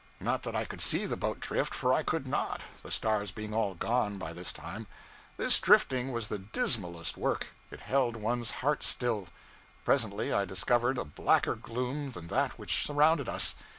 Not that I could see the boat drift, for I could not, the stars being all gone by this time. This drifting was the dismalest work; it held one's heart still. Presently I discovered a blacker gloom than that which surrounded us.